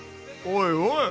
おいおい！